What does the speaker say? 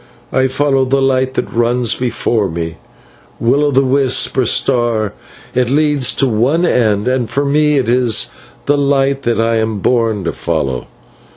I follow the light that runs before me; will o' the wisp or star, it leads to one end, and for me it is the light that I am born to follow.